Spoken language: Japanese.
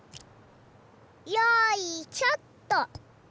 よいしょっと！